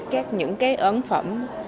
các những cái ấn phẩm